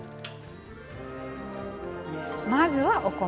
まずは、お米。